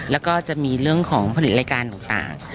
แล้วก็จะมีเรื่องของผลิตรายการต่าง